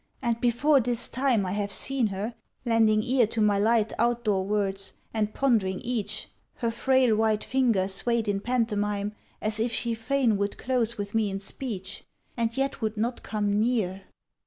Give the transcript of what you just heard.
And before this time I have seen her, lending ear To my light outdoor words, and pondering each, Her frail white finger swayed in pantomime, As if she fain would close with me in speech, And yet would not come near.